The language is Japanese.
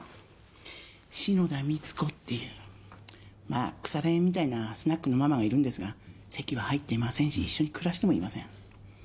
篠田美津子っていうまあ腐れ縁みたいなスナックのママがいるんですが籍は入っていませんし一緒に暮らしてもいません。